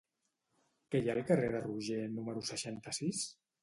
Què hi ha al carrer de Roger número seixanta-sis?